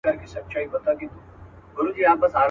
ځاله د زمرو سوه په نصیب د سورلنډیو.